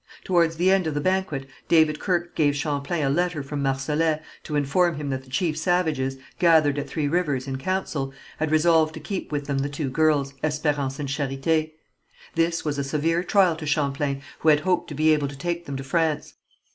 Towards the end of the banquet David Kirke gave Champlain a letter from Marsolet to inform him that the chief savages, gathered at Three Rivers in council, had resolved to keep with them the two girls, Espérance and Charité. This was a severe trial to Champlain, who had hoped to be able to take them to France.